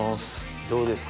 どうですか？